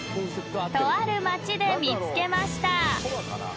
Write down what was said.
［とある町で見つけました］